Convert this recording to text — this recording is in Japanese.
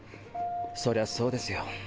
そりゃそうですよ。